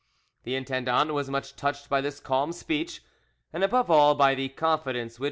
The intendant was much touched by this calm speech, and above all by the confidence which M.